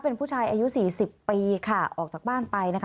เป็นผู้ชายอายุสี่สิบปีค่ะออกจากบ้านไปนะคะ